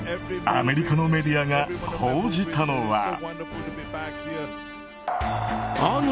アメリカのメディアが報じたのは。